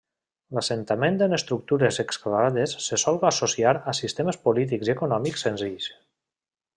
L'assentament en estructures excavades se sol associar a sistemes polítics i econòmics senzills.